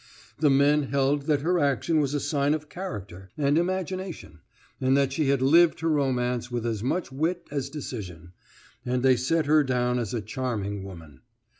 The men held that her action was a sign of character and imagination, and that she had lived her romance with as much wit as decision, and they set her down as a charming woman.